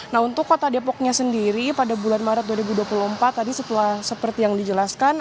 nah untuk kota depoknya sendiri pada bulan maret dua ribu dua puluh empat tadi setelah seperti yang dijelaskan